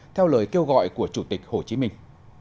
theo lời kêu gọi của chủ tịch hồ chí minh